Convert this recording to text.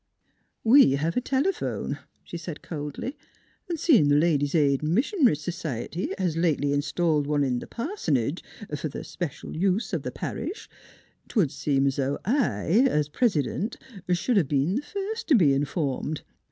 " We have a telephone," she said coldly, " an' seein' th' Ladies' Aid 'n' Missionary S'ciety hes 20 NEIGHBORS lately installed one in th' parsonage f'r th' special use of the parish, 't would seem 's 'o' /, as pres' dent, should hev been th' first to be in formed.